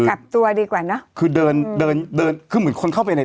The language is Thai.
กลับตัวดีกว่าเนอะคือเดินเดินเดินคือเหมือนคนเข้าไปใน